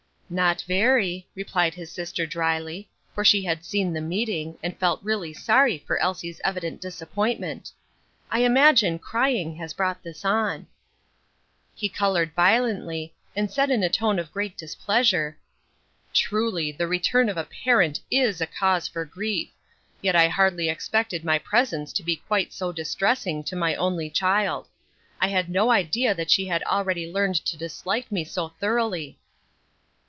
"Not very," replied his sister dryly, for she had seen the meeting, and felt really sorry for Elsie's evident disappointment; "I imagine crying has brought this on." He colored violently, and said in a tone of great displeasure, "Truly, the return of a parent is a cause for grief; yet I hardly expected my presence to be quite so distressing to my only child. I had no idea that she had already learned to dislike me so thoroughly."